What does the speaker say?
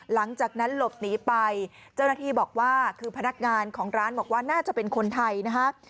หลังจากนั้นหลบหนีไปเจ้าหน้าที่บอกว่าคือพนักงานของร้านบอกว่าน่าจะเป็นคนไทยนะฮะ